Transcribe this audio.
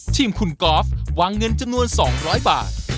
ทีมคุณกอล์ฟวางเงินจำนวน๒๐๐บาท